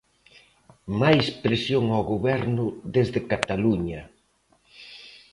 Máis presión ao Goberno desde Cataluña.